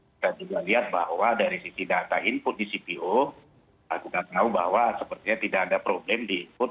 kita juga lihat bahwa dari sisi data input di cpo kita tahu bahwa sepertinya tidak ada problem di input